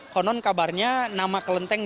konon kabarnya nama kelenteng diantara kelenteng ini